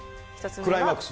クライマックス。